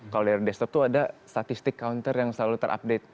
kalau dari desktop itu ada statistik counter yang selalu terupdate